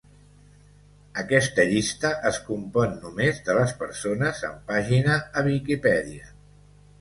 Aquesta llista es compon només de les persones amb pàgina a Viquipèdia.